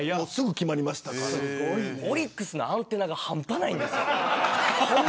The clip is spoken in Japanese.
オリックスのアンテナが半端ないんです。